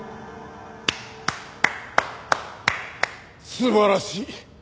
素晴らしい。